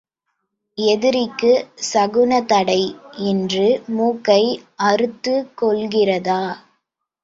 எதிரிக்குச் சகுனத் தடை என்று மூக்கை அறுத்துக் கொள்கிறதா?